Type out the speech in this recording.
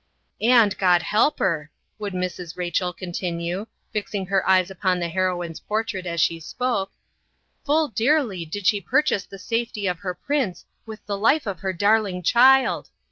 'And, God help her,' would Mrs. Rachel continue, fixing her eyes upon the heroine's portrait as she spoke, 'full dearly did she purchase the safety of her prince with the life of her darling child.